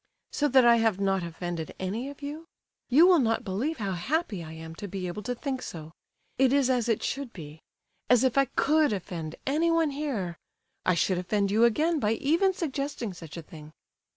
"So that I have not offended any of you? You will not believe how happy I am to be able to think so. It is as it should be. As if I could offend anyone here! I should offend you again by even suggesting such a thing."